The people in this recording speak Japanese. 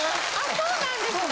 そうなんですね？